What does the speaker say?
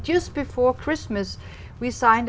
về kế hoạch tự nhiên